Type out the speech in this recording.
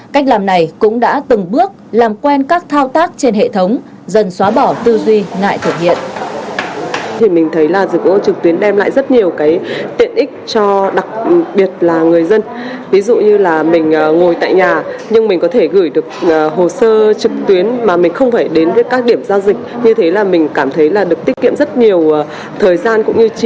cách làm này cũng đã từng bước làm quen các thao tác trên hệ thống dần xóa bỏ tư duy ngại thực hiện